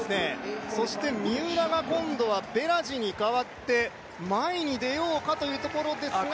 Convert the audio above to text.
そして三浦が今度はベラジに代わって前に出ようかというところですが。